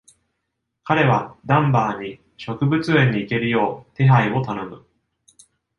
彼はダンバーに植物園に行けるよう、手配を頼む。